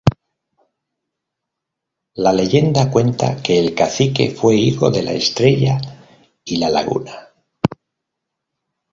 La leyenda cuenta que el cacique fue hijo de la estrella y la laguna.